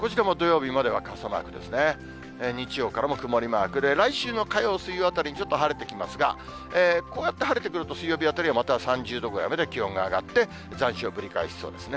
日曜からも曇りマークで、来週の火曜、水曜あたりにちょっと晴れてきますが、こうやって晴れてくると、水曜日あたりはまた３で、３０度ぐらいまで気温が上がって、残暑がぶり返しそうですね。